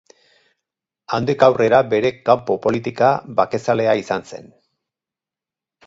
Handik aurrera bere kanpo politika bakezalea izan zen.